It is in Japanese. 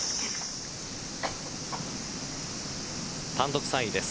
単独３位です。